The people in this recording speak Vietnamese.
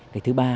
cái thứ ba